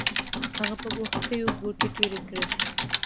هغه په وښکیو ګوتې تېرې کړې.